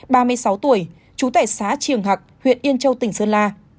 ba mươi sáu tuổi trú tại xá triều hạc huyện yên châu tỉnh sơn la